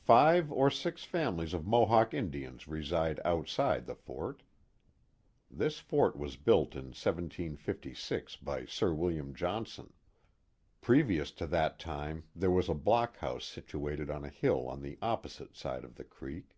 Five or si.\ families of Mohawk Indians reside outside the fort. (This fort was built in 1756 by Sir William Johnson. Pre vious to that time there was a block house situated on a hill on the opposite side of the creek.